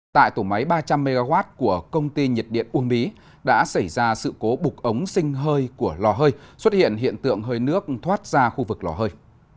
tại tổ máy ba trăm linh mw của công ty nhiệt điện uông bí đã xảy ra sự cố bục ống sinh hơi của lò hơi xuất hiện hiện tượng hơi nước thoát ra khu vực lò hơi